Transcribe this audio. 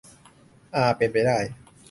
อา เป็นไปได้